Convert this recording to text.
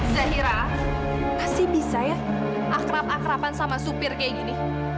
zahira masih bisa ya akrab akraan sama supir kayak gini